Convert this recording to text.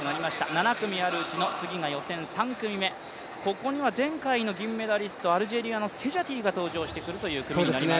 ７組あるうちの次は予選３組目、ここには前回の銀メダリスト、アルジェリアのセジャティが登場してくるという組になります。